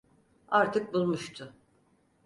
Artık bulmuştu.